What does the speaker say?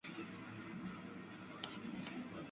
兴安圆柏为柏科圆柏属下的一个种。